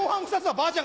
ばあちゃん！